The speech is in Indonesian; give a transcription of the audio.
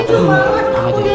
aduh ibu malah takut ya